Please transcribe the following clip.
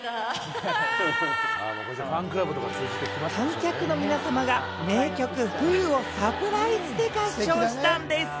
観客の皆様が名曲『Ｗｈｏ．．．』をサプライズで合唱したんでぃす！